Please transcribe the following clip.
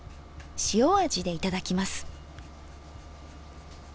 塩味でいただきます。